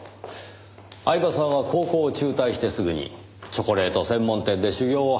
饗庭さんは高校を中退してすぐにチョコレート専門店で修業を始めたそうです。